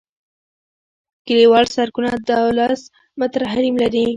کلیوال سرکونه دولس متره حریم لري